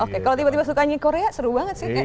oke kalo tiba tiba suka anjing korea seru banget sih